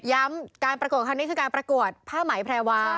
ย้ำการประกวดคำนี้คือการประกวดผ้าหมายแพรวา